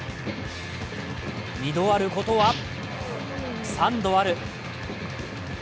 ２度あることは３度ある。